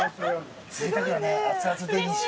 ぜいたくだね熱々デニッシュ。